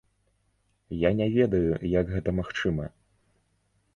Я не ведаю, як гэта магчыма.